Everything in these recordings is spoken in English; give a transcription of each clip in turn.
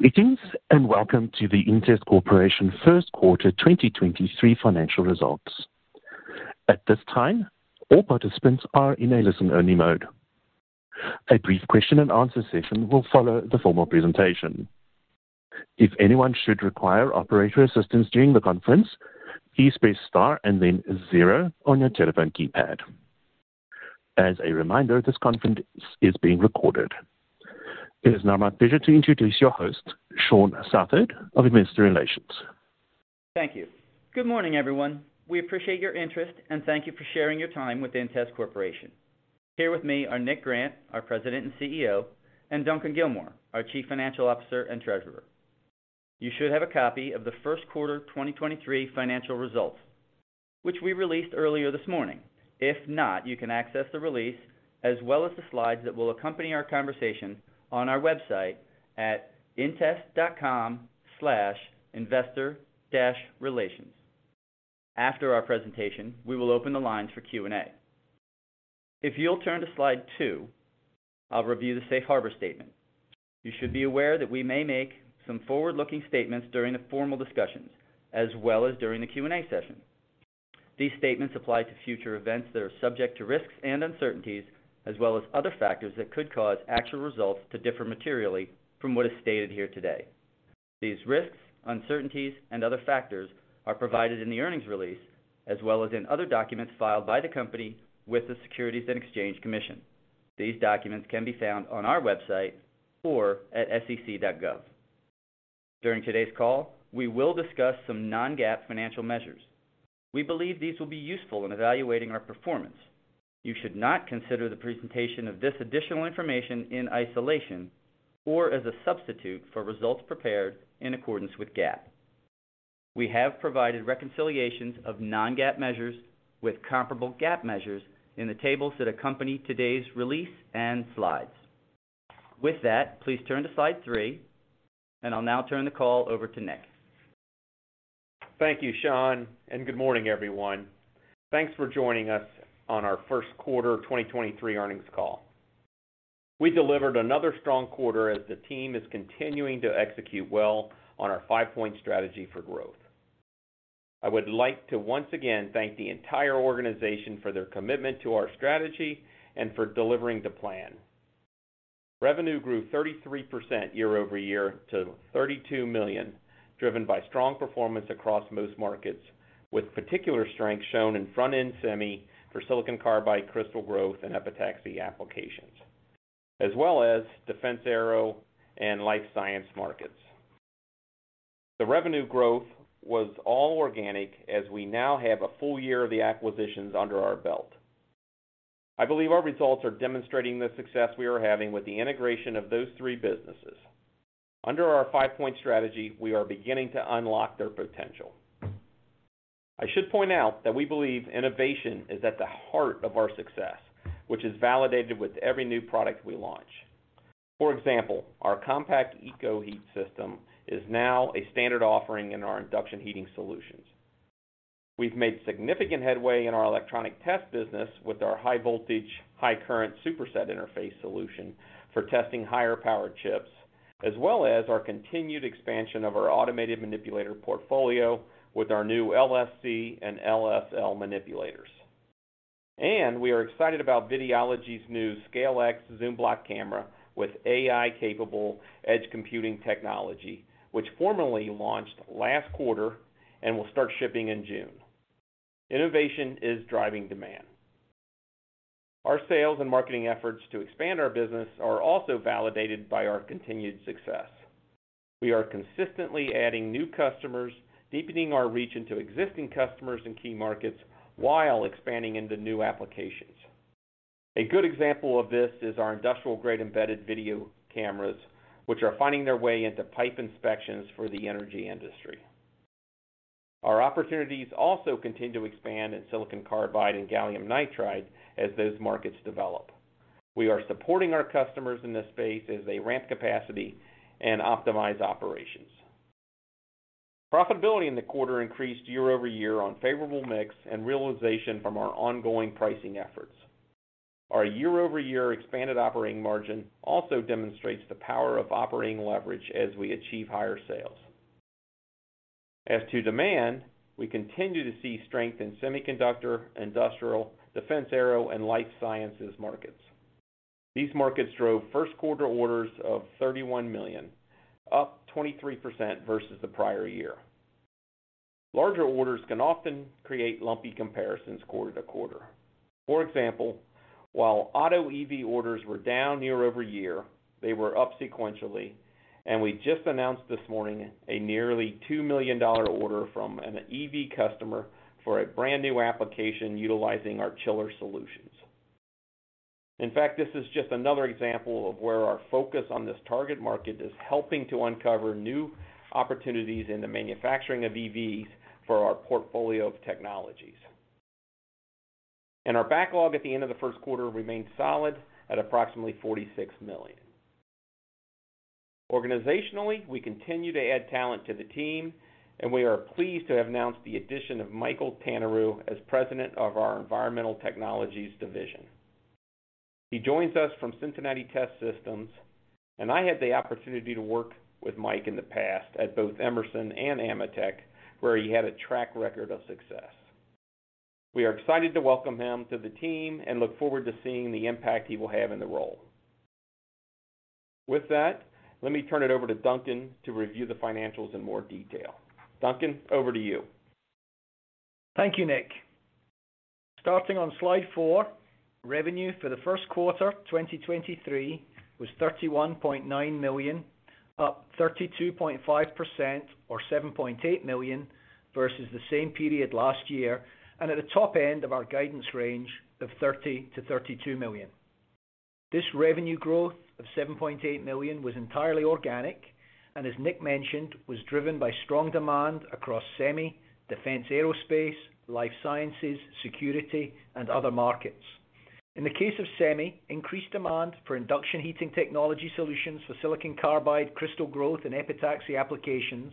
Greetings, welcome to the inTEST Corporation Q1 2023 Financial Results. At this time, all participants are in a listen-only mode. A brief Q&A session will follow the formal presentation. If anyone should require operator assistance during the conference, please press Star and then zero on your telephone keypad. As a reminder, this conference is being recorded. It is now my pleasure to introduce your host, Shawn Southard of Investor Relations. Thank you. Good morning, everyone. We appreciate your interest, thank you for sharing your time with inTEST Corporation. Here with me are Nick Grant, our President and CEO, and Duncan Gilmour, our Chief Financial Officer and Treasurer. You should have a copy of Q1 2023 financial results, which we released earlier this morning. If not, you can access the release as well as the slides that will accompany our conversation on our website at intest.com/investor-relations. After our presentation, we will open the lines for Q&A. If you'll turn to slide two, I'll review the safe harbor statement. You should be aware that we may make some forward-looking statements during the formal discussions as well as during the Q&A session. These statements apply to future events that are subject to risks and uncertainties, as well as other factors that could cause actual results to differ materially from what is stated here today. These risks, uncertainties, and other factors are provided in the earnings release as well as in other documents filed by the company with the Securities and Exchange Commission. These documents can be found on our website or at sec.gov. During today's call, we will discuss some non-GAAP financial measures. We believe these will be useful in evaluating our performance. You should not consider the presentation of this additional information in isolation or as a substitute for results prepared in accordance with GAAP. We have provided reconciliations of non-GAAP measures with comparable GAAP measures in the tables that accompany today's release and slides. With that, please turn to slide three, and I'll now turn the call over to Nick. Thank you, Shawn, and good morning, everyone. Thanks for joining us on our Q1 2023 earnings call. We delivered another strong quarter as the team is continuing to execute well on our five-point strategy for growth. I would like to once again thank the entire organization for its commitment to our strategy and for delivering the plan. Revenue grew 33% year-over-year to $32 million, driven by strong performance across most markets, with particular strength shown in front-end semi for silicon carbide, crystal growth, and epitaxy applications, as well as defense, aero, and life science markets. The revenue growth was all organic as we now have a full year of the acquisitions under our belt. I believe our results are demonstrating the success we are having with the integration of those three businesses. Under our five-point strategy, we are beginning to unlock their potential. I should point out that we believe innovation is at the heart of our success, which is validated with every new product we launch. For example, our Compact EKOHEAT system is now a standard offering in our induction heating solutions. We've made significant headway in our electronic test business with our high voltage, high current SuperSet interface solution for testing higher powered chips, as well as our continued expansion of our automated manipulator portfolio with our new LSC and LSL manipulators. We are excited about Videology's new SCAiLX Zoom Block camera with AI-capable edge computing technology, which formally launched last quarter and will start shipping in June. Innovation is driving demand. Our sales and marketing efforts to expand our business are also validated by our continued success. We are consistently adding new customers, deepening our reach into existing customers in key markets, while expanding into new applications. A good example of this is our industrial-grade embedded video cameras, which are finding their way into pipe inspections for the energy industry. Our opportunities also continue to expand in silicon carbide and gallium nitride as those markets develop. We are supporting our customers in this space as they ramp capacity and optimize operations. Profitability in the quarter increased year-over-year on favorable mix and realization from our ongoing pricing efforts. Our year-over-year expanded operating margin also demonstrates the power of operating leverage as we achieve higher sales. As to demand, we continue to see strength in semiconductor, industrial, defense aero, and life sciences markets. These markets drove Q1 orders of $31 million, up 23% versus the prior year. Larger orders can often create lumpy comparisons quarter-to-quarter. For example, while auto EV orders were down year-over-year, they were up sequentially, we just announced this morning a nearly $2 million order from an EV customer for a brand new application utilizing our chiller solutions. In fact, this is just another example of where our focus on this target market is helping to uncover new opportunities in the manufacturing of EVs for our portfolio of technologies. Our backlog at the end of Q1 remained solid at approximately $46 million. Organizationally, we continue to add talent to the team, and we are pleased to have announced the addition of Michael Tanniru as President of our Environmental Technologies Division. He joins us from Cincinnati Test Systems, I had the opportunity to work with Mike in the past at both Emerson and AMETEK, where he had a track record of success. We are excited to welcome him to the team and look forward to seeing the impact he will have in the role. With that, let me turn it over to Duncan to review the financials in more detail. Duncan, over to you. Thank you, Nick. Starting on slide four, revenue for Q1 2023 was $31.9 million, up 32.5% or $7.8 million versus the same period last year, and at the top end of our guidance range of $30 million-$32 million. This revenue growth of $7.8 million was entirely organic, and as Nick mentioned, was driven by strong demand across semi, defense aerospace, life sciences, security, and other markets. In the case of semi, increased demand for induction heating technology solutions for silicon carbide, crystal growth, and epitaxy applications,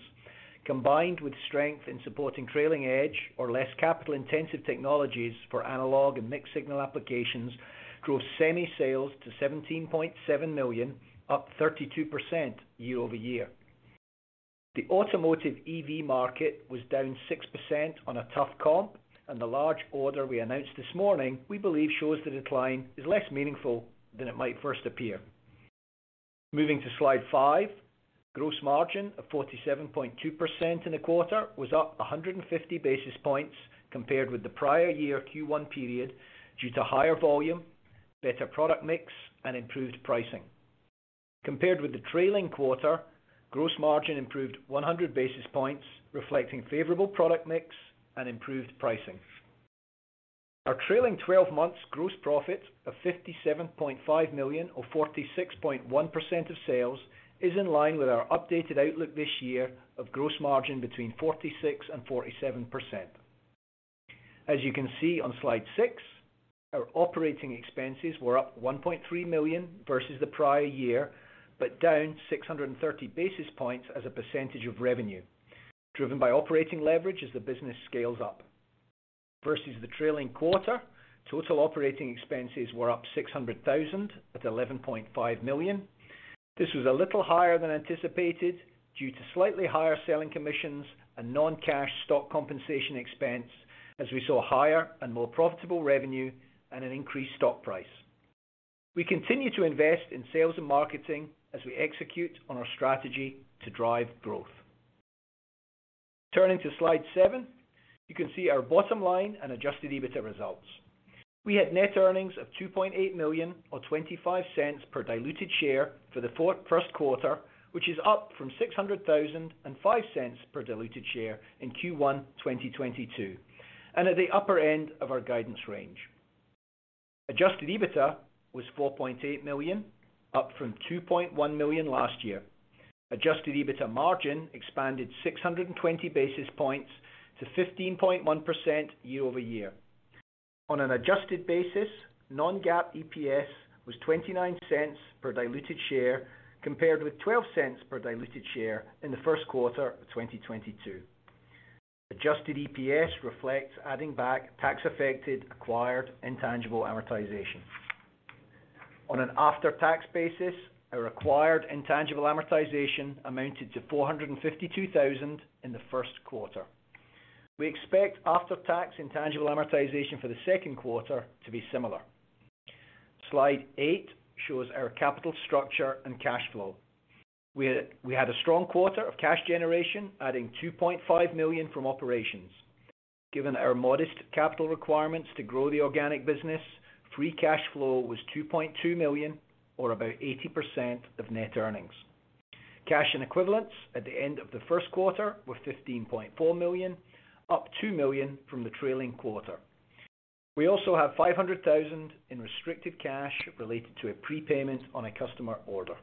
combined with strength in supporting trailing edge or less capital-intensive technologies for analog and mixed-signal applications, grew semi sales to $17.7 million, up 32% year-over-year. The automotive EV market was down 6% on a tough comp. The large order we announced this morning, we believe shows the decline is less meaningful than it might first appear. Moving to slide five, gross margin of 47.2% in the quarter was up 150 basis points compared with the prior year Q1 period due to higher volume, better product mix, and improved pricing. Compared with the trailing quarter, gross margin improved 100 basis points, reflecting favorable product mix and improved pricing. Our trailing twelve months gross profit of $57.5 million or 46.1% of sales is in line with our updated outlook this year of gross margin between 46% and 47%. As you can see on slide six, our operating expenses were up $1.3 million versus the prior year, down 630 basis points as a percentage of revenue, driven by operating leverage as the business scales up. Versus the trailing quarter, total operating expenses were up $600,000 at $11.5 million. This was a little higher than anticipated due to slightly higher selling commissions and non-cash stock compensation expense as we saw higher and more profitable revenue and an increased stock price. We continue to invest in sales and marketing as we execute on our strategy to drive growth. Turning to slide seven, you can see our bottom line and adjusted EBITDA results. We had net earnings of $2.8 million or $0.25 per diluted share for Q1, which is up from $600,000 and $0.05 per diluted share in Q1 2022, and at the upper end of our guidance range. Adjusted EBITDA was $4.8 million, up from $2.1 million last year. Adjusted EBITDA margin expanded 620 basis points to 15.1% year-over-year. On an adjusted basis, non-GAAP EPS was $0.29 per diluted share, compared with $0.12 per diluted share in Q1 of 2022. Adjusted EPS reflects adding back tax affected acquired intangible amortization. On an after-tax basis, our acquired intangible amortization amounted to $452,000 in Q1. We expect after-tax intangible amortization for Q2 to be similar. Slide eight shows our capital structure and cash flow. We had a strong quarter of cash generation, adding $2.5 million from operations. Given our modest capital requirements to grow the organic business, free cash flow was $2.2 million or about 80% of net earnings. Cash and equivalents at the end of Q1 were $15.4 million, up $2 million from the trailing quarter. We also have $500,000 in restricted cash related to a prepayment on a customer order.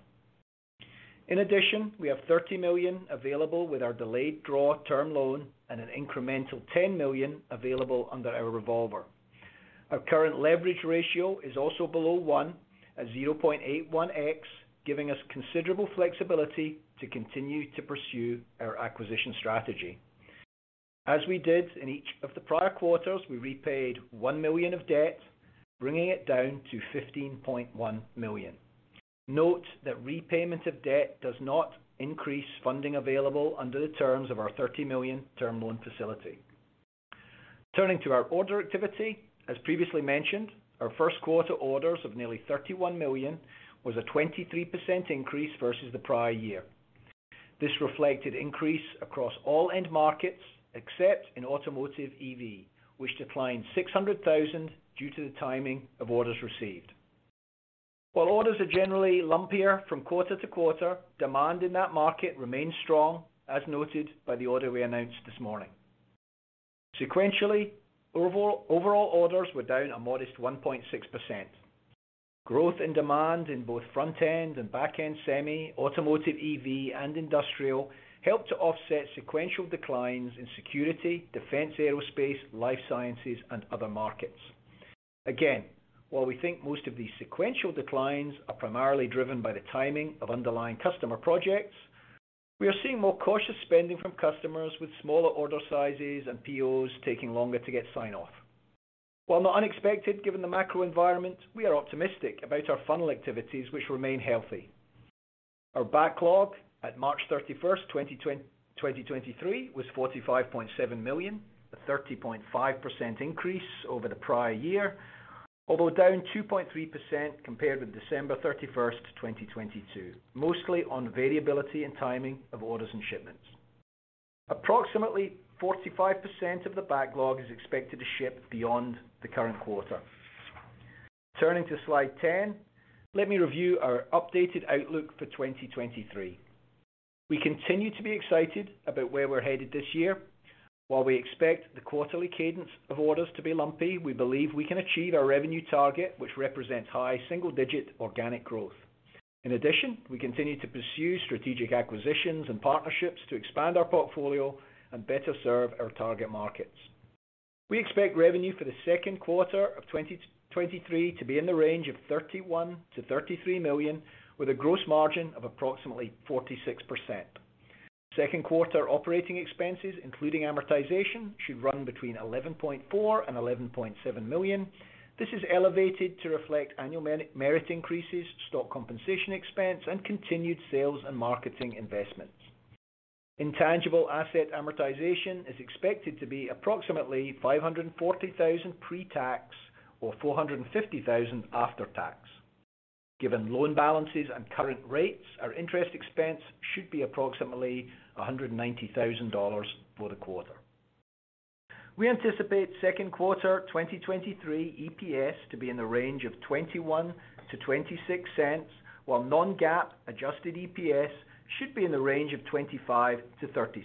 In addition, we have $30 million available with our delayed draw term loan and an incremental $10 million available under our revolver. Our current leverage ratio is also below one at 0.81x, giving us considerable flexibility to continue to pursue our acquisition strategy. As we did in each of the prior quarters, we repaid $1 million of debt, bringing it down to $15.1 million. Note that repayment of debt does not increase funding available under the terms of our $30 million term loan facility. Turning to our order activity, as previously mentioned, our Q1 orders of nearly $31 million were a 23% increase versus the prior year. This reflected an increase across all end markets except in automotive EV, which declined $600,000 due to the timing of orders received. While orders are generally lumpier from quarter to quarter, demand in that market remains strong, as noted by the order we announced this morning. Sequentially, overall orders were down a modest 1.6%. Growth and demand in both front-end and back-end semi, automotive EV and industrial helped to offset sequential declines in security, defense aerospace, life sciences, and other markets. While we think most of these sequential declines are primarily driven by the timing of underlying customer projects, we are seeing more cautious spending from customers with smaller order sizes and POs taking longer to get sign-off. While not unexpected given the macro environment, we are optimistic about our funnel activities, which remain healthy. Our backlog at March 31st, 2023 was $45.7 million, a 30.5% increase over the prior year, although down 2.3% compared with December 31st, 2022, mostly on variability and timing of orders and shipments. Approximately 45% of the backlog is expected to ship beyond the current quarter. Turning to slide 10, let me review our updated outlook for 2023. We continue to be excited about where we're headed this year. While we expect the quarterly cadence of orders to be lumpy, we believe we can achieve our revenue target, which represents high single-digit organic growth. We continue to pursue strategic acquisitions and partnerships to expand our portfolio and better serve our target markets. We expect revenue for Q2 of 2023 to be in the range of $31 million-$33 million, with a gross margin of approximately 46%. Second quarter operating expenses, including amortization, should run between $11.4 million and $11.7 million. This is elevated to reflect annual merit increases, stock compensation expense, and continued sales and marketing investments. Intangible asset amortization is expected to be approximately $540,000 pre-tax, or $450,000 after tax. Given loan balances and current rates, our interest expense should be approximately $190,000 for the quarter. We anticipate Q2 2023 EPS to be in the range of $0.21-$0.26, while non-GAAP adjusted EPS should be in the range of $0.25-$0.30.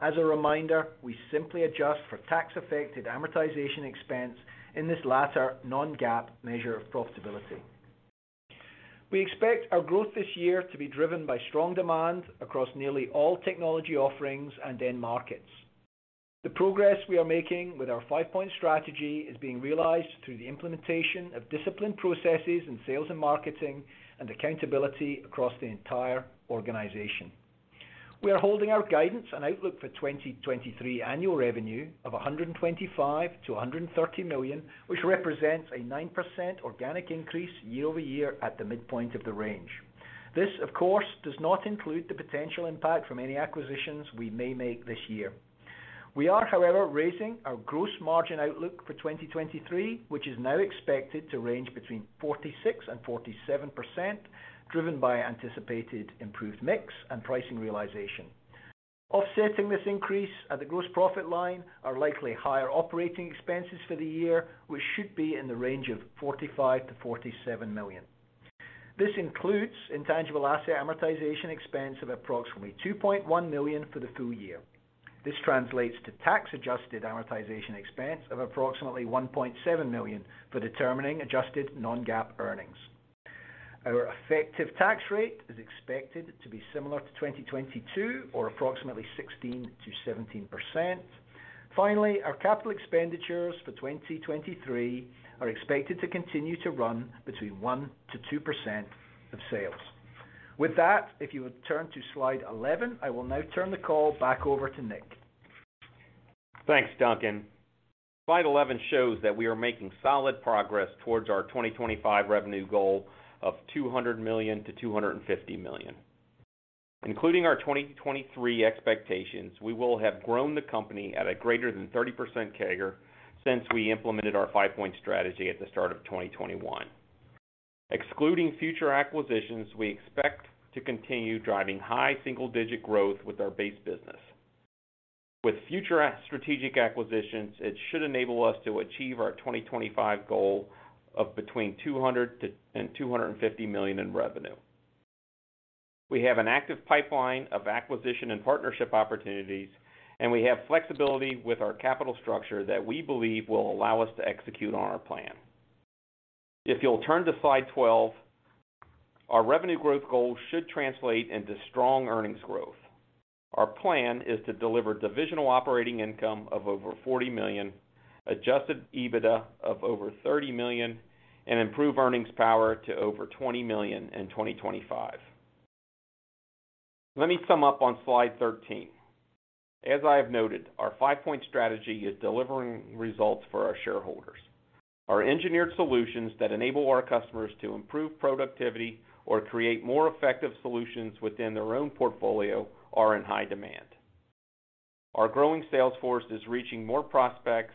As a reminder, we simply adjust for tax-affected amortization expense in this latter non-GAAP measure of profitability. We expect our growth this year to be driven by strong demand across nearly all technology offerings and end markets. The progress we are making with our five-point strategy is being realized through the implementation of disciplined processes in sales and marketing and accountability across the entire organization. We are holding our guidance and outlook for 2023 annual revenue of $125 million-$130 million, which represents a 9% organic increase year-over-year at the midpoint of the range. This, of course, does not include the potential impact from any acquisitions we may make this year. We are, however, raising our gross margin outlook for 2023, which is now expected to range between 46% and 47%, driven by anticipated improved mix and pricing realization. Offsetting this increase at the gross profit line are likely higher operating expenses for the year, which should be in the range of $45 million-$47 million. This includes intangible asset amortization expense of approximately $2.1 million for the full year. This translates to tax-adjusted amortization expense of approximately $1.7 million for determining adjusted non-GAAP earnings. Our effective tax rate is expected to be similar to 2022 or approximately 16%-17%. Finally, our capital expenditures for 2023 are expected to continue to run between 1%-2% of sales. With that, if you would turn to slide 11, I will now turn the call back over to Nick. Thanks, Duncan Gilmour. Slide 11 shows that we are making solid progress towards our 2025 revenue goal of $200 million-$250 million. Including our 2023 expectations, we will have grown the company at a greater than 30% CAGR since we implemented our five-point strategy at the start of 2021. Excluding future acquisitions, we expect to continue driving high single-digit growth with our base business. With future strategic acquisitions, it should enable us to achieve our 2025 goal of between $200 million to, and $250 million in revenue. We have an active pipeline of acquisition and partnership opportunities, and we have flexibility with our capital structure that we believe will allow us to execute on our plan. If you'll turn to slide 12, our revenue growth goal should translate into strong earnings growth. Our plan is to deliver divisional operating income of over $40 million, adjusted EBITDA of over $30 million, and improve earnings power to over $20 million in 2025. Let me sum up on slide 13. As I have noted, our five-point strategy is delivering results for our shareholders. Our engineered solutions that enable our customers to improve productivity or create more effective solutions within their own portfolio are in high demand. Our growing sales force is reaching more prospects,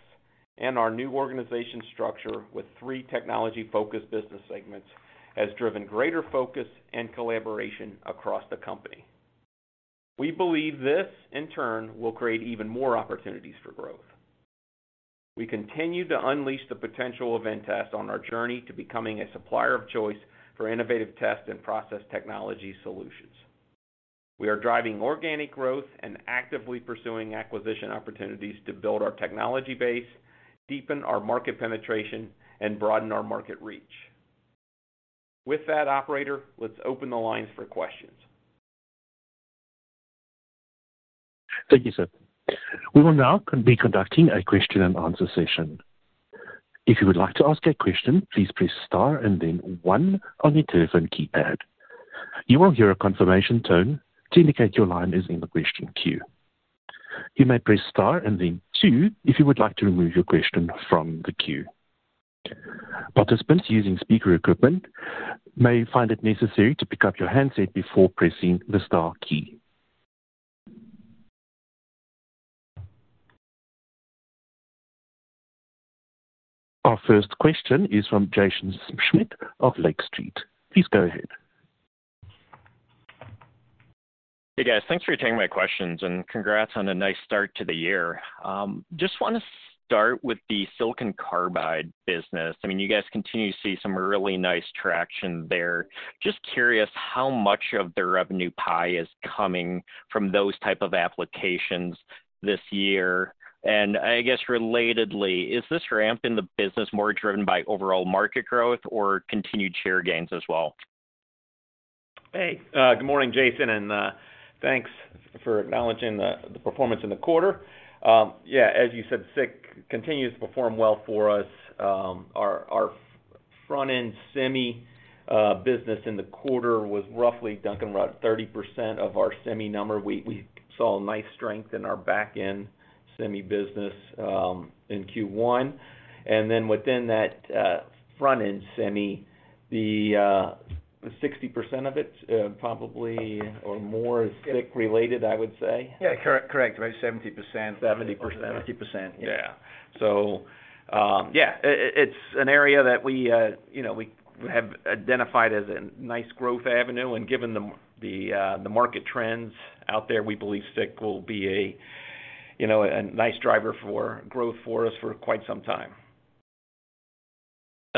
our new organization structure with three technology-focused business segments has driven greater focus and collaboration across the company. We believe this, in turn, will create even more opportunities for growth. We continue to unleash the potential of inTEST on our journey to becoming a supplier of choice for innovative test and process technology solutions. We are driving organic growth and actively pursuing acquisition opportunities to build our technology base, deepen our market penetration, and broaden our market reach. With that, operator, let's open the lines for questions. Thank you, sir. We will now be conducting a Q&A session. If you would like to ask a question, please press star and then one on your telephone keypad. You will hear a confirmation tone to indicate your line is in the question queue. You may press star and then two if you would like to remove your question from the queue. Participants using speaker equipment may find it necessary to pick up your handset before pressing the star key. Our first question is from Jaeson Schmidt of Lake Street. Please go ahead. Hey, guys. Thanks for taking my questions. Congrats on a nice start to the year. Just wanna start with the silicon carbide business. I mean, you guys continue to see some really nice traction there. Just curious how much of the revenue pie is coming from those type of applications this year. I guess relatedly, is this ramp in the business more driven by overall market growth or continued share gains as well? Hey, good morning, Jaeson, and thanks for acknowledging the performance in the quarter. Yeah, as you said, SiC continues to perform well for us. Our front-end semi business in the quarter was roughly, Duncan, around 30% of our semi number. We saw a nice strength in our back end semi business in Q1. Then within that front end semi, the 60% of it probably or more is SiC related, I would say. Yeah, correct. About 70%. 70%. 70%. Yeah. Yeah, it's an area that we, you know, we have identified as a nice growth avenue. Given the the market trends out there, we believe SiC will be a, you know, a nice driver for growth for us for quite some time.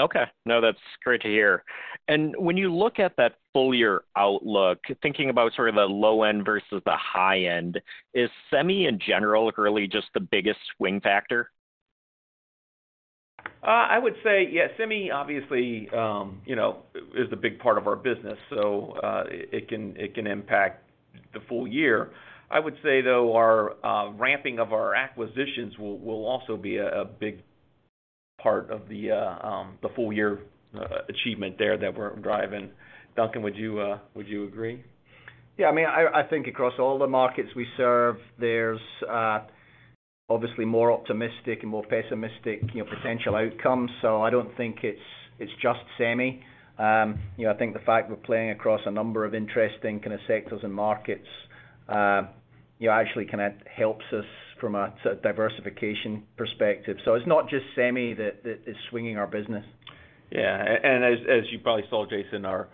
Okay. No, that's great to hear. When you look at that full year outlook, thinking about sort of the low end versus the high end, is semi in general really just the biggest swing factor? I would say, yeah, semi obviously, you know, is the big part of our business. It can impact the full year. I would say, though, our ramping of our acquisitions will also be a big part of the full year achievement there that we're driving. Duncan, would you agree? Yeah. I mean, I think across all the markets we serve, there's obviously more optimistic and more pessimistic, you know, potential outcomes. I don't think it's just semi. You know, I think the fact we're playing across a number of interesting kinda sectors and markets, you know, actually kinda helps us from a sort of diversification perspective. It's not just semi that is swinging our business. Yeah. As you probably saw, Jaeson Schmidt,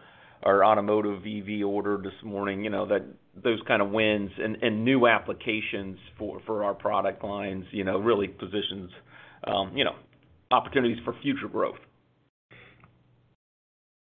our automotive EV order this morning, you know, that those kind of wins and new applications for our product lines, you know, really positions, you know, opportunities for future growth.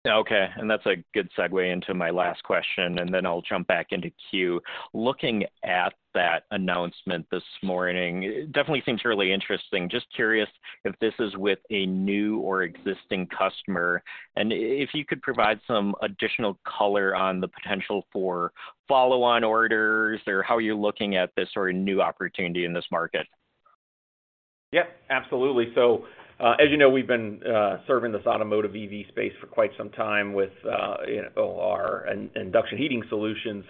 Okay. That's a good segue into my last question, and then I'll jump back into queue. Looking at that announcement this morning, it definitely seems really interesting. Just curious if this is with a new or existing customer, and if you could provide some additional color on the potential for follow-on orders or how you're looking at this sort of new opportunity in this market. Yep, absolutely. As you know, we've been serving this automotive EV space for quite some time with, you know, our induction heating solutions.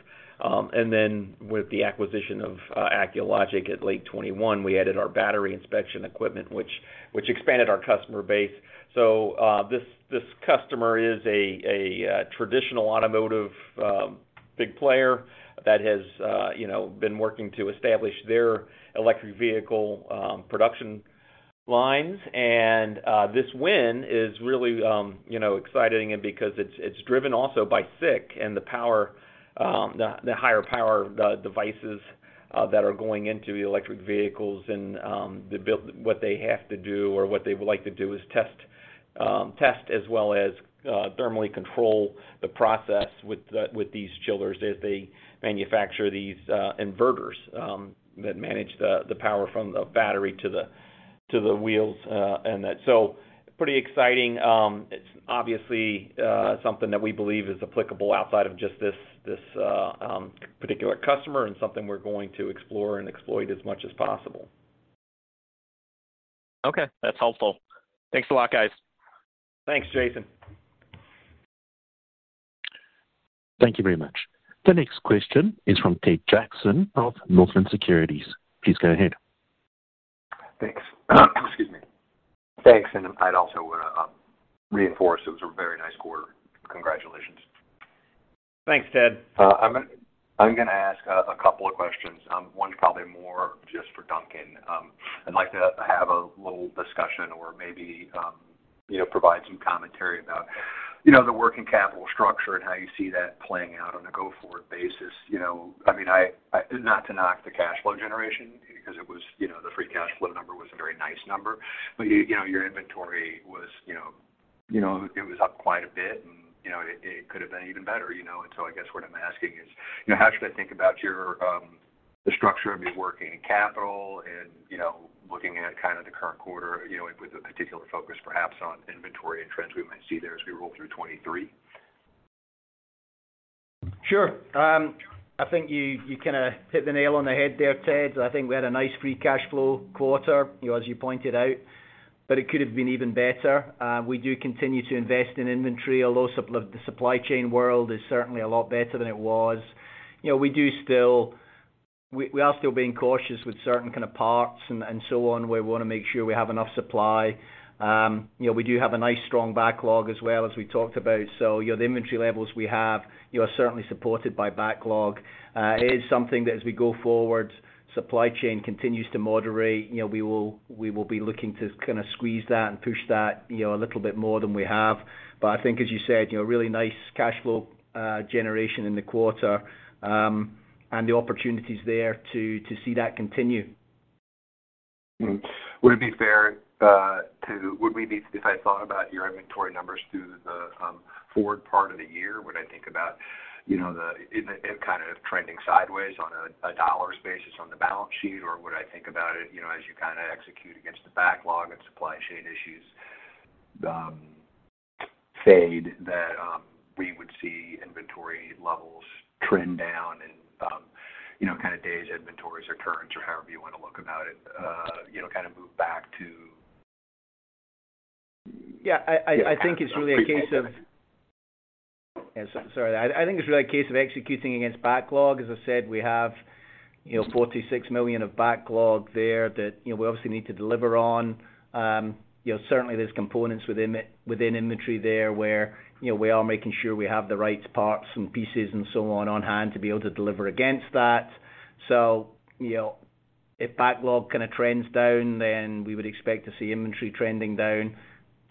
With the acquisition of Acculogic at late 2021, we added our battery inspection equipment, which expanded our customer base. This customer is a traditional automotive big player that has, you know, been working to establish their electric vehicle production lines. This win is really, you know, exciting because it's driven also by SiC and the power, the higher power devices that are going into the electric vehicles. What they have to do or what they would like to do is test as well as thermally control the process with these chillers as they manufacture these inverters that manage the power from the battery to the wheels and that. Pretty exciting. It's obviously something that we believe is applicable outside of just this particular customer and something we're going to explore and exploit as much as possible. Okay. That's helpful. Thanks a lot, guys. Thanks, Jaeson. Thank you very much. The next question is from Ted Jackson of Northland Securities. Please go ahead. Thanks. Excuse me. Thanks. I'd also reinforce it was a very nice quarter. Congratulations. Thanks, Ted. I'm gonna ask a couple of questions. One probably more just for Duncan. I'd like to have a little discussion or maybe, you know, provide some commentary about, you know, the working capital structure and how you see that playing out on a go-forward basis. You know, I mean, Not to knock the cash flow generation because it was, you know, the free cash flow number was a very nice number. You know, your inventory was, you know, it was up quite a bit and, you know, it could have been even better, you know? I guess what I'm asking is, you know, how should I think about the structure of your working capital and, you know, looking at kind of the current quarter, you know, with a particular focus perhaps on inventory and trends we might see there as we roll through 2023? Sure. I think you kind of hit the nail on the head there, Ted. I think we had a nice free cash flow quarter, you know, as you pointed out, but it could have been even better. We do continue to invest in inventory, although the supply chain world is certainly a lot better than it was. You know, we are still being cautious with certain kinds of parts and so on, where we wanna make sure we have enough supply. You know, we do have a nice, strong backlog, as well as we talked about. You know, the inventory levels we have, you know, are certainly supported by backlog. It is something that, as we go forward, the supply chain continues to moderate. You know, we will be looking to kind of squeeze that and push that, you know, a little bit more than we have. But I think as you said, you know, really nice cash flow generation in the quarter, and the opportunity's there to see that continue. Would it be fair, If I thought about your inventory numbers through the forward part of the year, would I think about, you know, Is it kind of trending sideways on a dollar basis on the balance sheet, or would I think about it, you know, as you kind of execute against the backlog and supply chain issues, fade that, we would see inventory levels trend down and, you know, kind of days inventories or turns or however you wanna look about it, you know, kind of move back to? I think it's really a case of executing against backlog. As I said, we have, you know, $46 million of backlog there that, you know, we obviously need to deliver on. you know, certainly there's components within inventory there where, you know, we are making sure we have the right parts and pieces and so on hand to be able to deliver against that. you know, if backlog kind of trends down, we would expect to see inventory trending down.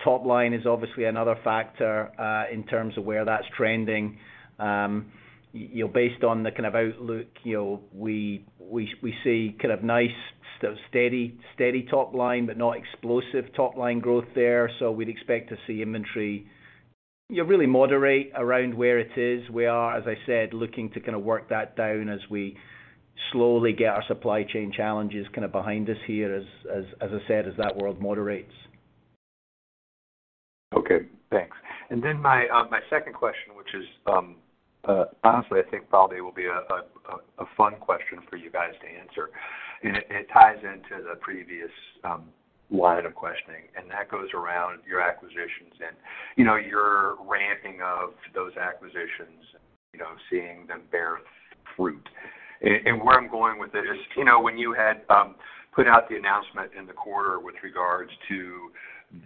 Top line is obviously another factor in terms of where that's trending. you know, based on the kind of outlook, you know, we see kind of nice steady top line, not explosive top line growth there. We'd expect to see inventory, you know, really moderate around where it is. We are, as I said, looking to kind of work that down as we slowly get our supply chain challenges kind of behind us here as I said, as that world moderates. Okay, thanks. Then my second question, which is, honestly, I think probably will be a fun question for you guys to answer. It, it ties into the previous line of questioning, and that goes around your acquisitions and, you know, your ramping of those acquisitions, you know, seeing them bear fruit. Where I'm going with this, you know, when you had put out the announcement in the quarter with regards to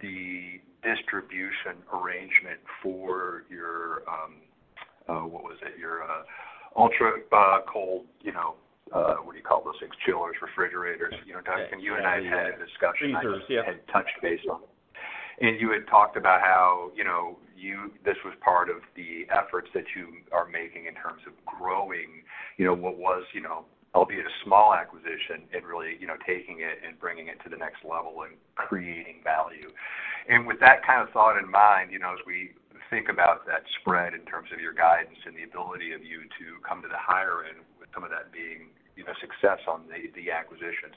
the distribution arrangement for your, what was it, your ultra cold, you know, what do you call those things, chillers, refrigerators. You know, Dustin, you and I had a discussion. Freezers, yeah. Had touched base on it. You had talked about how, you know, this was part of the efforts that you are making in terms of growing, you know, what was, you know, albeit a small acquisition and really, you know, taking it and bringing it to the next level and creating value. With that kind of thought in mind, you know, as we think about that spread in terms of your guidance and the ability of you to come to the higher end with some of that being, you know, success on the acquisitions.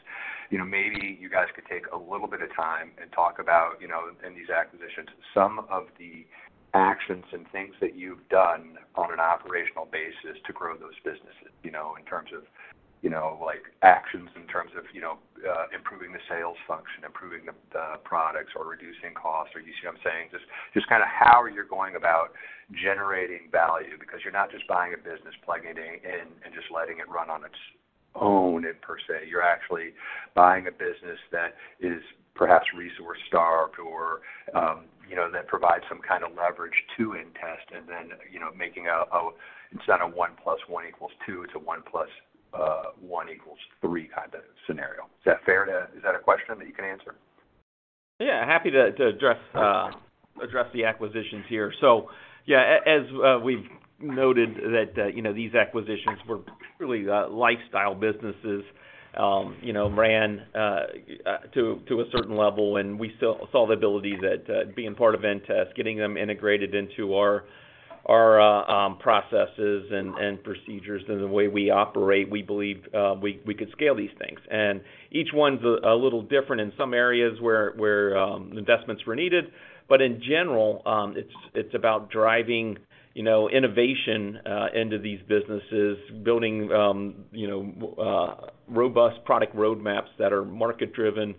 You know, maybe you guys could take a little bit of time and talk about, you know, in these acquisitions, some of the actions and things that you've done on an operational basis to grow those businesses, you know, in terms of, you know, like actions in terms of, you know, improving the sales function, improving the products or reducing costs, or you see what I'm saying? Just kind of how you're going about generating value because you're not just buying a business, plugging it in, and just letting it run on its own per se. You're actually buying a business that is perhaps resource-starved or, you know, that provides some kind of leverage to inTEST and then, you know, making a instead of one plus one equals two, it's a one plus one equals three kind of scenario. Is that a question that you can answer? Yeah, happy to address the acquisitions here. As we've noted that, you know, these acquisitions were purely lifestyle businesses, you know, ran to a certain level, and we still saw the ability that, being part of inTEST, getting them integrated into our processes and procedures and the way we operate, we believe we could scale these things. Each one's a little different in some areas where investments were needed, but in general, it's about driving, you know, innovation into these businesses. Building, you know, robust product roadmaps that are market-driven,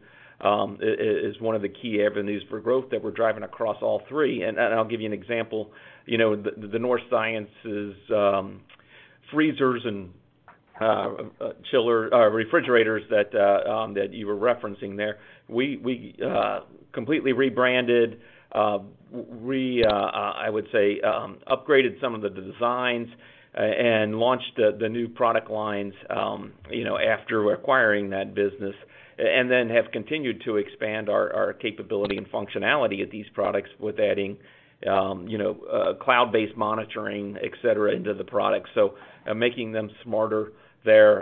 is one of the key avenues for growth that we're driving across all three. I'll give you an example. You know, the North Sciences freezers and refrigerators that you were referencing there, we completely rebranded, I would say, upgraded some of the designs, and launched the new product lines, you know, after acquiring that business. Then have continued to expand our capability and functionality of these products with adding, you know, cloud-based monitoring, et cetera, into the product. Making them smarter there,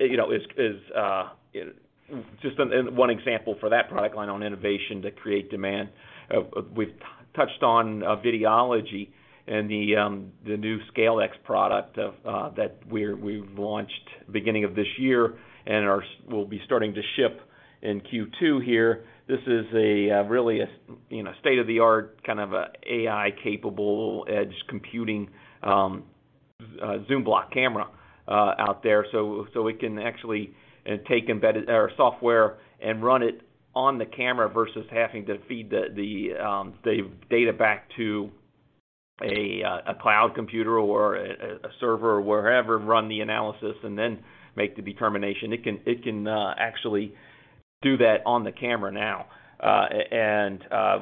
you know, is just one example for that product line on innovation to create demand. We've touched on Videology and the new SCAiLX product that we've launched at the beginning of this year and will be starting to ship in Q2 here, this is really a, you know, state-of-the-art kind of a AI capable edge computing Zoom Block camera out there. We can actually take embedded or software and run it on the camera versus having to feed the data back to a cloud computer or a server or wherever, run the analysis, and then make the determination. It can actually do that on the camera now.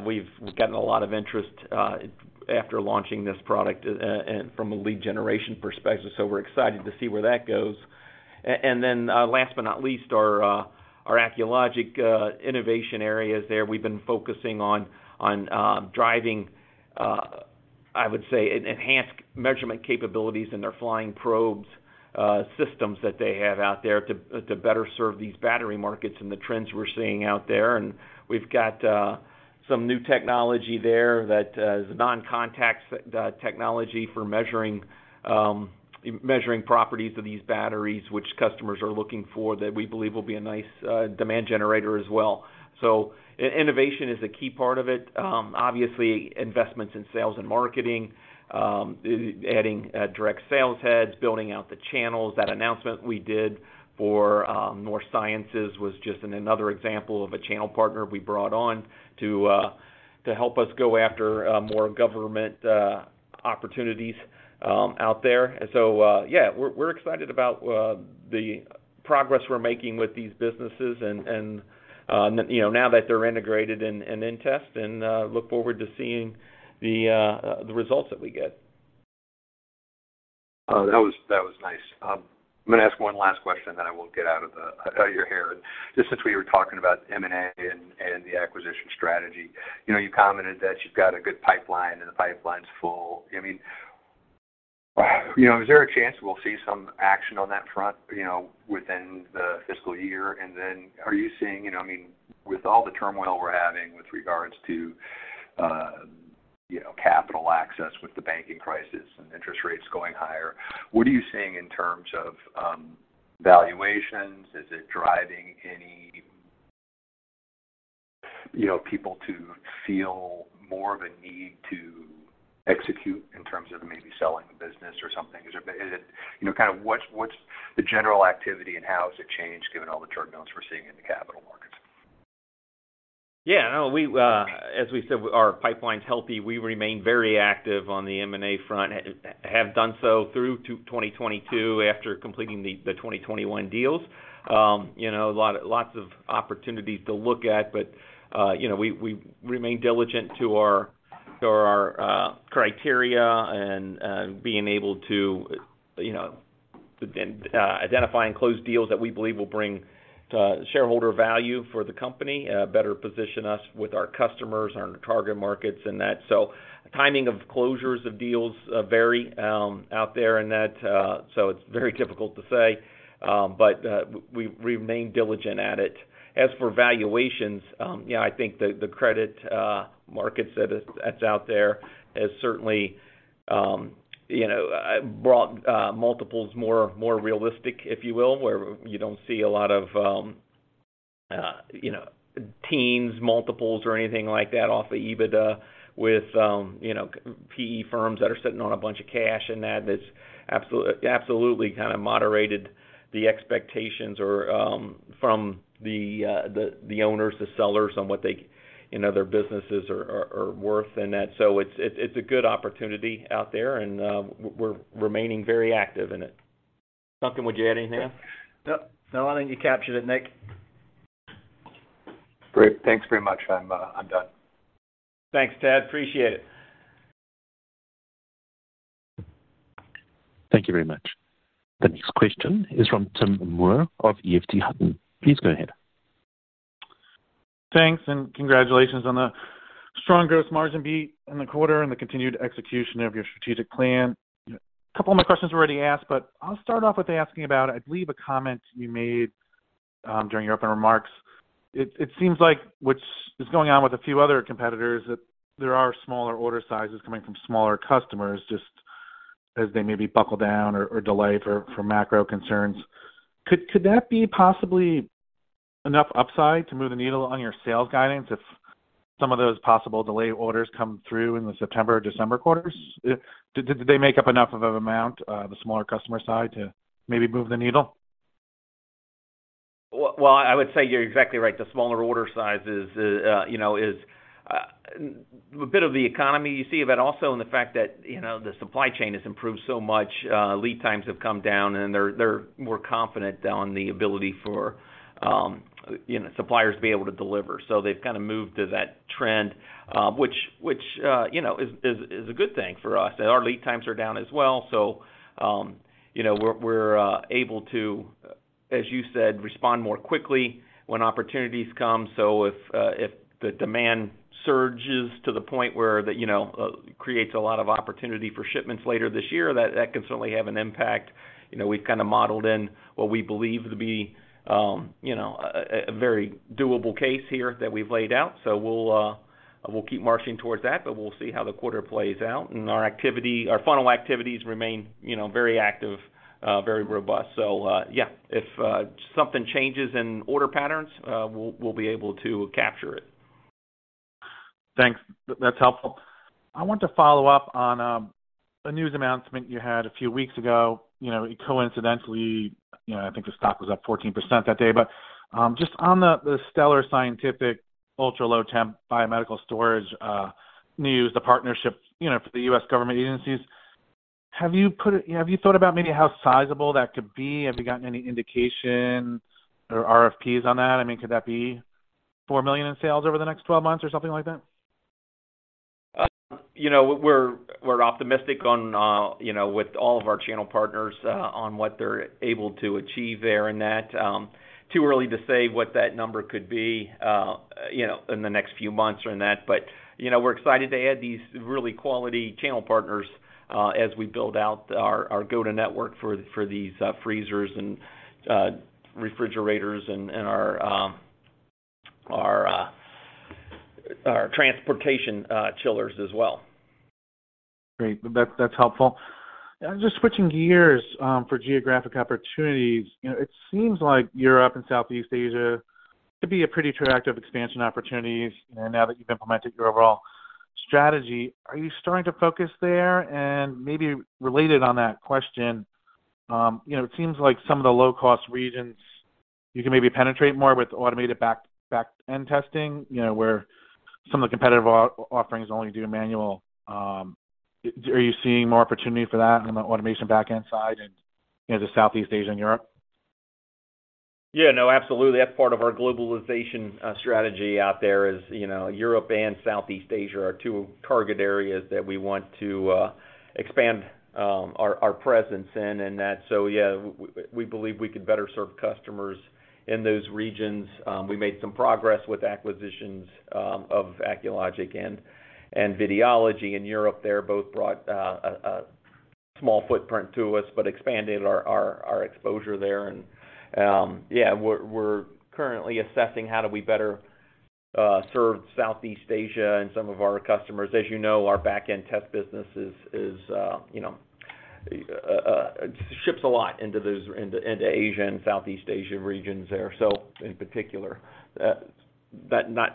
We've gotten a lot of interest after launching this product and from a lead generation perspective. We're excited to see where that goes. Then, last but not least, our Acculogic innovation areas are there. We've been focusing on driving, I would say, enhanced measurement capabilities in their flying probe systems that they have out there to better serve these battery markets and the trends we're seeing out there. We've got some new technology there that is non-contact technology for measuring properties of these batteries, which customers are looking, for that we believe will be a nice demand generator as well. Innovation is a key part of it. Obviously, investments in sales and marketing, adding direct sales heads, building out the channels. That announcement we did for North Sciences was just another example of a channel partner we brought on to help us go after more government opportunities out there. Yeah, we're excited about the progress we're making with these businesses and, you know, now that they're integrated in inTEST, and look forward to seeing the results that we get. That was nice. I'm gonna ask 1 last question, then I will get out of your hair. Just since we were talking about M&A and the acquisition strategy. You know, you commented that you've got a good pipeline, and the pipeline's full. I mean, you know, is there a chance we'll see some action on that front, you know, within the fiscal year? Are you seeing, you know, I mean, with all the turmoil we're having with regards to, you know, capital access with the banking crisis and interest rates going higher, what are you seeing in terms of valuations? Is it driving any, you know, people to feel more of a need to execute in terms of maybe selling the business or something? Is it... You know, kind of what's the general activity, and how has it changed given all the turbulence we're seeing in the capital markets? Yeah, no, we, as we said, our pipeline's healthy. We remain very active on the M&A front, have done so through to 2022 after completing the 2021 deals. You know, lots of opportunities to look at, but, you know, we remain diligent to our, to our criteria and being able to, you know, identify and close deals that we believe will bring shareholder value for the company, better position us with our customers, our target markets, and that. Timing of closures of deals vary out there and that. It's very difficult to say. We remain diligent at it. As for valuations, yeah, I think the credit markets that is, that's out there has certainly brought multiples more realistic, if you will, where you don't see a lot of teens multiples or anything like that off of EBITDA with PE firms that are sitting on a bunch of cash and that it's absolutely kind of moderated the expectations or from the owners, the sellers on what they their businesses are worth and that. It's, it's a good opportunity out there and we're remaining very active in it. Something would you add in, Dan? No. No, I think you captured it, Nick. Great. Thanks very much. I'm done. Thanks, Tad. Appreciate it. Thank you very much. The next question is from Tim Moore of EF Hutton. Please go ahead. Thanks. Congratulations on the strong growth margin beat in the quarter and the continued execution of your strategic plan. A couple of my questions were already asked. I'll start off with asking about, I believe, a comment you made during your opening remarks. It seems like what's going on with a few other competitors, that there are smaller order sizes coming from smaller customers just as they maybe buckle down or delay for macro concerns. Could that be possibly enough upside to move the needle on your sales guidance if some of those possible delayed orders come through in the September or December quarters? Did they make up enough of amount, the smaller customer side to maybe move the needle? Well, I would say you're exactly right. The smaller order size is, you know, is a bit of the economy you see, but also in the fact that, you know, the supply chain has improved so much, lead times have come down, and they're more confident on the ability for, you know, suppliers to be able to deliver. They've kind of moved to that trend, which, you know, is a good thing for us. Our lead times are down as well, so, you know, we're able to, as you said, respond more quickly when opportunities come. If the demand surges to the point where that, you know, creates a lot of opportunity for shipments later this year, that can certainly have an impact. You know, we've kind of modeled in what we believe to be, you know, a very doable case here that we've laid out. We'll keep marching towards that, but we'll see how the quarter plays out. Our activity, our funnel activities remain, you know, very active, very robust. Yeah, if something changes in order patterns, we'll be able to capture it. Thanks. That's helpful. I want to follow up on a news announcement you had a few weeks ago. You know, it coincidentally, you know, I think the stock was up 14% that day. Just on the Stellar Scientific ultra-low temp biomedical storage news, the partnership, you know, for the U.S. government agencies, have you thought about maybe how sizable that could be? Have you gotten any indication or RFPs on that? I mean, could that be $4 million in sales over the next 12 months or something like that? You know, we're optimistic on, you know, with all of our channel partners, on what they're able to achieve there in that. Too early to say what that number could be, you know, in the next few months or in that. You know, we're excited to add these really quality channel partners, as we build out our go-to network for these freezers and refrigerators and our transportation chillers as well. Great. That's helpful. Just switching gears, for geographic opportunities. You know, it seems like Europe and Southeast Asia could be a pretty attractive expansion opportunities, you know, now that you've implemented your overall strategy. Are you starting to focus there? Maybe related on that question, you know, it seems like some of the low-cost regions you can maybe penetrate more with automated back-end testing, you know, where some of the competitive offerings only do manual. Are you seeing more opportunity for that on the automation back-end side in, you know, the Southeast Asia and Europe? Yeah, no, absolutely. That's part of our globalization strategy out there is, you know, Europe and Southeast Asia are two target areas that we want to expand our presence in and that. Yeah, we believe we could better serve customers in those regions. We made some progress with acquisitions of Acculogic and Videology in Europe there. Both brought a small footprint to us, but expanded our exposure there. Yeah, we're currently assessing how do we better serve Southeast Asia and some of our customers. As you know, our back-end test business is, you know, ships a lot into those into Asia and Southeast Asia regions there. In particular.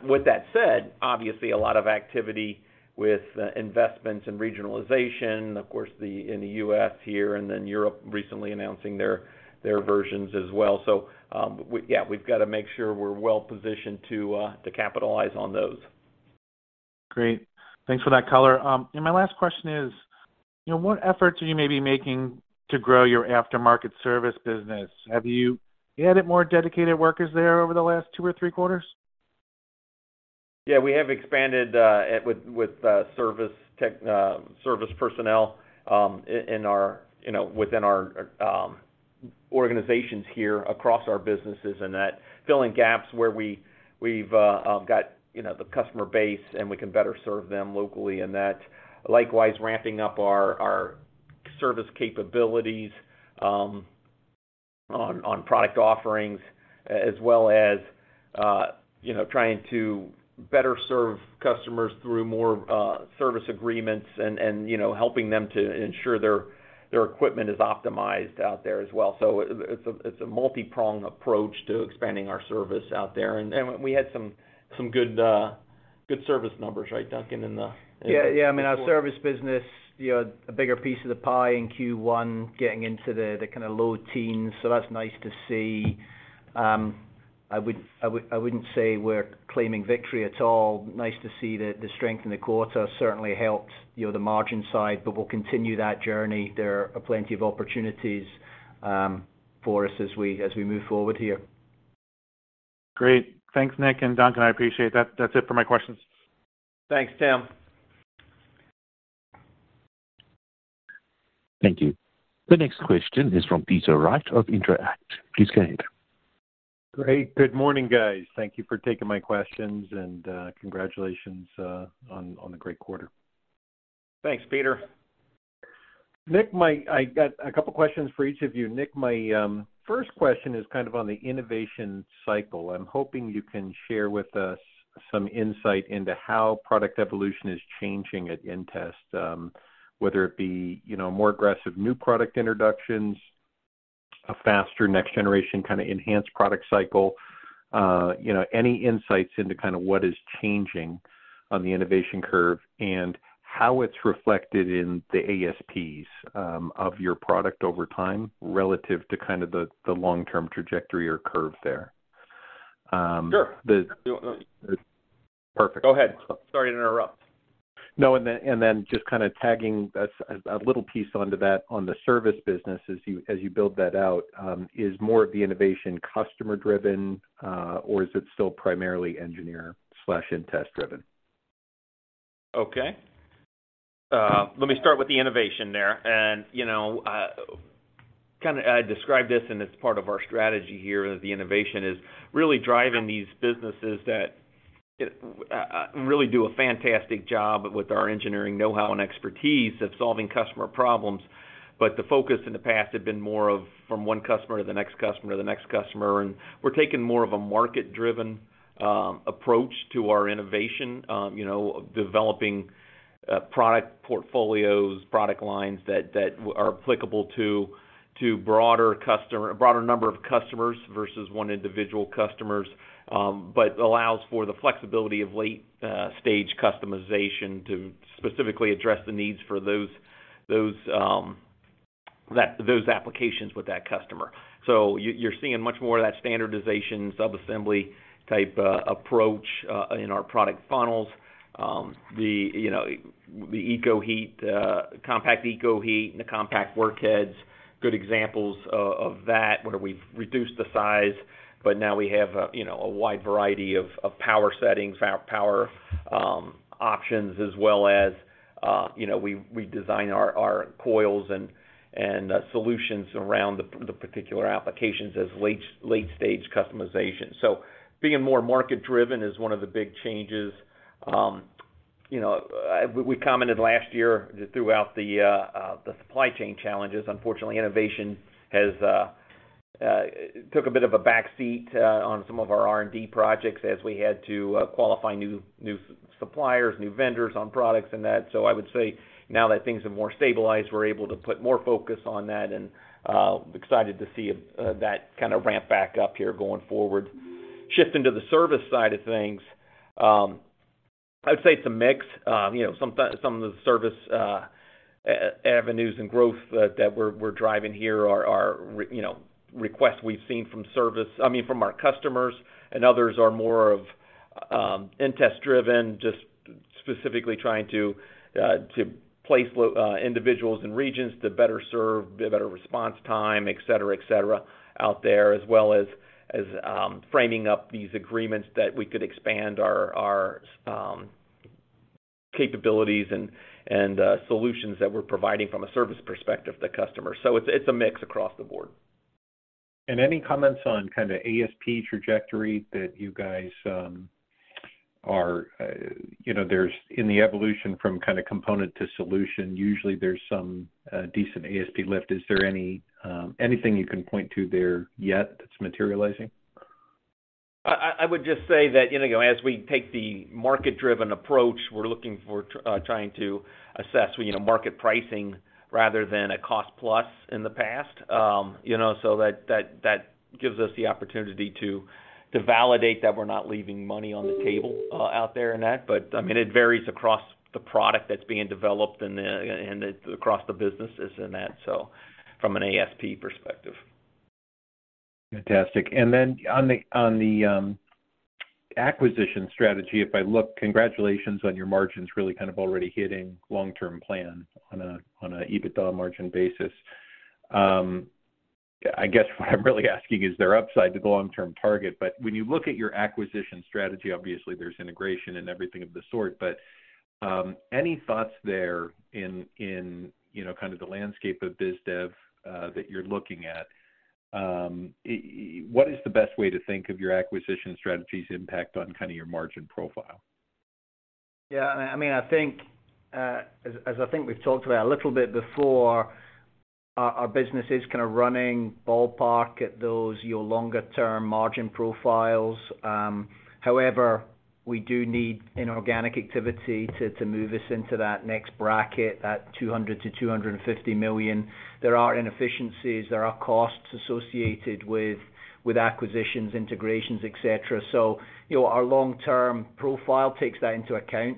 With that said, obviously a lot of activity with investments in regionalization. Of course, the, in the U.S. here and then Europe recently announcing their versions as well. We've got to make sure we're well positioned to capitalize on those. Great. Thanks for that color. My last question is, you know, what efforts are you maybe making to grow your aftermarket service business? Have you added more dedicated workers there over the last two or three quarters? We have expanded with service tech, service personnel, you know, within our organizations here across our businesses, and that filling gaps where we've got, you know, the customer base, and we can better serve them locally and that. Likewise, ramping up our service capabilities on product offerings as well as, you know, trying to better serve customers through more service agreements and, you know, helping them to ensure their equipment is optimized out there as well. It's a multi-pronged approach to expanding our service out there. We had some good service numbers, right, Duncan, in the? I mean, our service business, you know, a bigger piece of the pie in Q1, getting into the kinda low teens. That's nice to see. I wouldn't say we're claiming victory at all. Nice to see the strength in the quarter. Certainly helped, you know, the margin side. We'll continue that journey. There are plenty of opportunities for us as we move forward here. Great. Thanks, Nick and Duncan. I appreciate that. That's it for my questions. Thanks, Tim. Thank you. The next question is from Peter Wright of Intro-act. Please go ahead. Great. Good morning, guys. Thank you for taking my questions, and congratulations on the great quarter. Thanks, Peter. Nick, I got a couple questions for each of you. Nick, my first question is kind of on the innovation cycle. I'm hoping you can share with us some insight into how product evolution is changing at inTEST, whether it be, you know, more aggressive new product introductions, a faster next generation kinda enhanced product cycle. You know, any insights into kind of what is changing on the innovation curve and how it's reflected in the ASPs of your product over time relative to kind of the long-term trajectory or curve there? Sure. Perfect. Go ahead. Sorry to interrupt. No. Then just kinda tagging a little piece onto that on the service business as you build that out, is more of the innovation customer driven, or is it still primarily engineer/inTEST driven? Okay. Let me start with the innovation there. You know, Kind of I describe this and it's part of our strategy here as the innovation is really driving these businesses that really do a fantastic job with our engineering know-how and expertise of solving customer problems. The focus in the past had been more of from one customer to the next customer to the next customer, and we're taking more of a market-driven approach to our innovation, you know, developing product portfolios, product lines that are applicable to a broader number of customers versus one individual customers, but allows for the flexibility of late stage customization to specifically address the needs for those applications with that customer. You're seeing much more of that standardization, sub-assembly type approach in our product funnels. The, you know, the EKOHEAT, Compact EKOHEAT and the compact workheads, good examples of that, where we've reduced the size, but now we have a, you know, a wide variety of power settings, power options, as well as, you know, we design our coils and solutions around the particular applications as late-stage customization. Being more market-driven is one of the big changes. You know, we commented last year throughout the supply chain challenges, unfortunately, innovation has took a bit of a back seat on some of our R&D projects as we had to qualify new suppliers, new vendors on products and that. I would say now that things are more stabilized, we're able to put more focus on that and excited to see that kind of ramp back up here going forward. Shifting to the service side of things, I'd say it's a mix. You know, some of the service avenues and growth that we're driving here are, you know, requests we've seen from our customers, and others are more of inTEST driven, just specifically trying to place individuals and regions to better serve, be a better response time, et cetera, et cetera, out there, as well as framing up these agreements that we could expand our capabilities and solutions that we're providing from a service perspective to customers. It's, it's a mix across the board. Any comments on kind of ASP trajectory that you guys, are, you know, there's in the evolution from kind of component to solution, usually there's some, decent ASP lift. Is there any, anything you can point to there yet that's materializing? I would just say that, you know, as we take the market-driven approach, we're looking for trying to assess, you know, market pricing rather than a cost plus in the past. you know, so that gives us the opportunity to validate that we're not leaving money on the table, out there in that. I mean, it varies across the product that's being developed and and across the businesses in that, so from an ASP perspective. Fantastic. On the acquisition strategy, if I look, congratulations on your margins really kind of already hitting long-term plan on a EBITDA margin basis. I guess what I'm really asking is there upside to the long-term target? When you look at your acquisition strategy, obviously there's integration and everything of the sort, but any thoughts there in, you know, kind of the landscape of biz dev that you're looking at? What is the best way to think of your acquisition strategy's impact on kind of your margin profile? Yeah, I mean, I think as I think we've talked about a little bit before, our business is kind of running ballpark at those, your longer term margin profiles. However, we do need inorganic activity to move us into that next bracket, that $200 million-$250 million. There are inefficiencies, there are costs associated with acquisitions, integrations, et cetera. You know, our long-term profile takes that into account.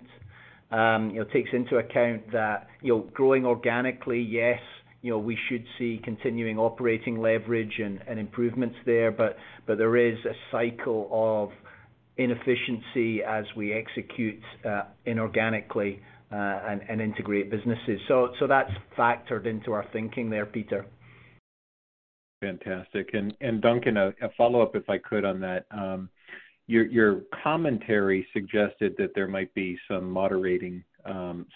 You know, takes into account that, you know, growing organically, yes, you know, we should see continuing operating leverage and improvements there, but there is a cycle of inefficiency as we execute inorganically and integrate businesses. That's factored into our thinking there, Peter. Fantastic. Duncan, a follow-up, if I could, on that. Your commentary suggested that there might be some moderating,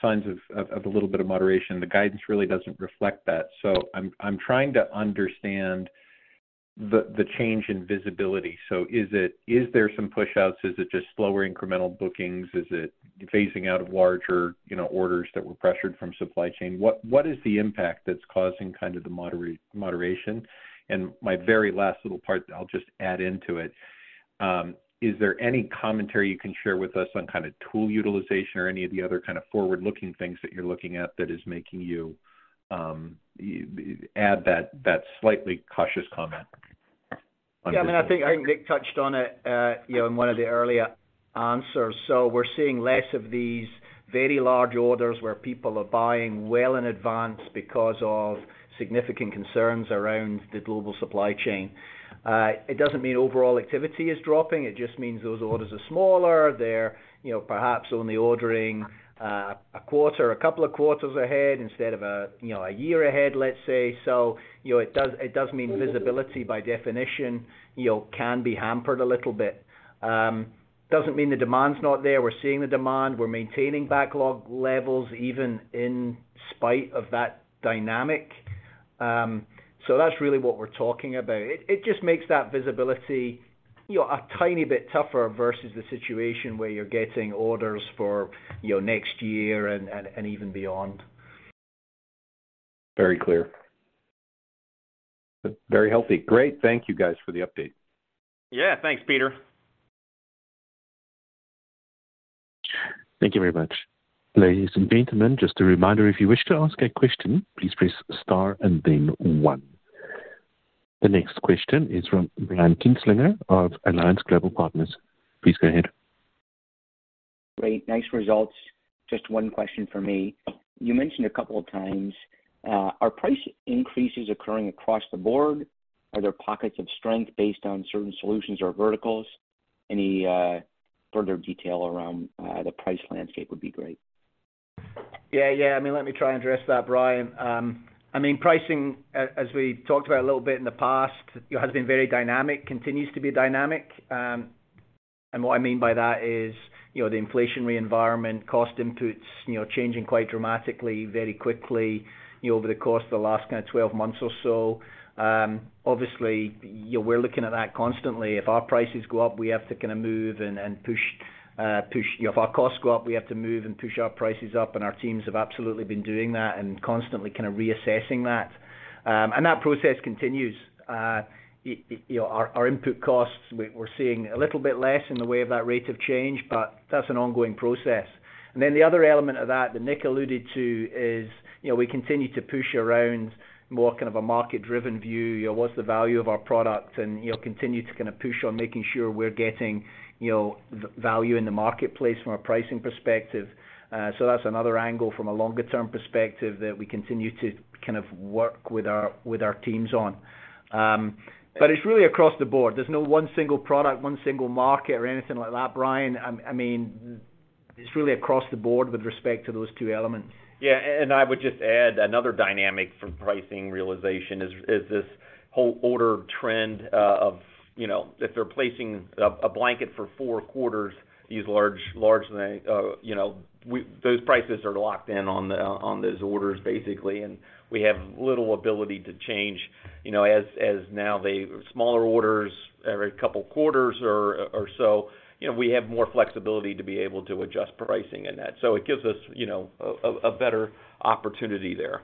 signs of a little bit of moderation. The guidance really doesn't reflect that. I'm trying to understand the change in visibility. Is there some pushouts? Is it just slower incremental bookings? Is it phasing out of larger, you know, orders that were pressured from supply chain? What is the impact that's causing kind of the moderation? My very last little part that I'll just add into it. Is there any commentary you can share with us on kind of tool utilization or any of the other kind of forward-looking things that you're looking at that is making you add that slightly cautious comment on visibility? Yeah. I mean, I think Nick touched on it, you know, in one of the earlier answers. We're seeing less of these very large orders where people are buying well in advance because of significant concerns around the global supply chain. It doesn't mean overall activity is dropping. It just means those orders are smaller. They're, you know, perhaps only ordering a quarter, a couple of quarters ahead instead of a, you know, a year ahead, let's say. You know, it does mean visibility by definition, you know, can be hampered a little bit. Doesn't mean the demand's not there. We're seeing the demand. We're maintaining backlog levels even in spite of that dynamic. That's really what we're talking about. It just makes that visibility, you know, a tiny bit tougher versus the situation where you're getting orders for, you know, next year and even beyond. Very clear. Very healthy. Great. Thank you, guys, for the update. Yeah. Thanks, Peter. Thank you very much. Ladies and gentlemen, just a reminder, if you wish to ask a question, please press star and then one. The next question is from Brian Kinstlinger of Alliance Global Partners. Please go ahead. Great. Nice results. Just one question for me. You mentioned a couple of times, are price increases occurring across the board? Are there pockets of strength based on certain solutions or verticals? Any further detail around the price landscape would be great. Yeah, yeah. I mean, let me try and address that, Brian. I mean, pricing, as we talked about a little bit in the past, you know, has been very dynamic, continues to be dynamic. What I mean by that is, you know, the inflationary environment, cost inputs, you know, changing quite dramatically, very quickly, you know, over the course of the last kind of 12 months or so. Obviously, you know, we're looking at that constantly. If our prices go up, we have to kind of move and push. You know, if our costs go up, we have to move and push our prices up, and our teams have absolutely been doing that and constantly kind of reassessing that. That process continues. You know, our input costs, we're seeing a little bit less in the way of that rate of change, but that's an ongoing process. The other element of that Nick alluded to is, you know, we continue to push around more kind of a market-driven view. You know, what's the value of our product? You know, continue to kind of push on making sure we're getting, you know, value in the marketplace from a pricing perspective. That's another angle from a longer term perspective that we continue to kind of work with our, with our teams on. It's really across the board. There's no one single product, one single market or anything like that, Brian. I mean, it's really across the board with respect to those two elements. I would just add another dynamic for pricing realization is this whole order trend of, you know, if they're placing a blanket for four quarters, these large, Those prices are locked in on those orders, basically, and we have little ability to change, you know, as now the smaller orders every couple quarters or so, you know, we have more flexibility to be able to adjust pricing in that. It gives us, you know, a better opportunity there.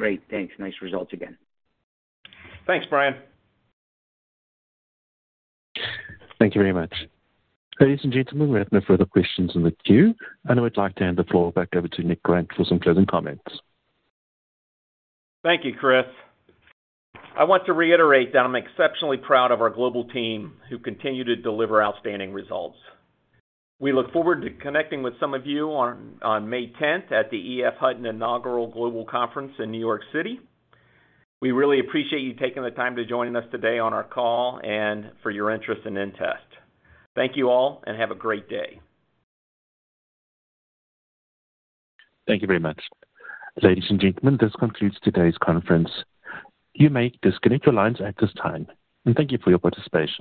Great. Thanks. Nice results again. Thanks, Brian. Thank you very much. Ladies and gentlemen, we have no further questions in the queue, and I would like to hand the floor back over to Nick Grant for some closing comments. Thank you, Chris. I want to reiterate that I'm exceptionally proud of our global team who continue to deliver outstanding results. We look forward to connecting with some of you on May 10th at the Inaugural EF Hutton Global Conference in New York City. We really appreciate you taking the time to join us today on our call and for your interest in inTEST. Thank you all, and have a great day. Thank you very much. Ladies and gentlemen, this concludes today's conference. You may disconnect your lines at this time, and thank you for your participation.